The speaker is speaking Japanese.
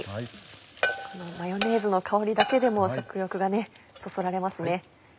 このマヨネーズの香りだけでも食欲がそそられますね。